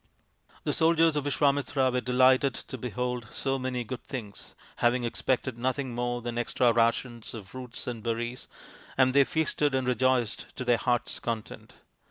The soldiers of Visvamitra were delighted to behold so many good things, having expected nothing more than extra rations of roots and berries, and they feasted and rejoiced to their hearts' content.